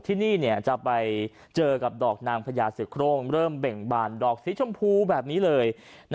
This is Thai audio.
ที่นี่จะไปเจอกับดอกนางพญาเสือโครงเริ่มเบ่งบานดอกสีชมพูแบบนี้เลย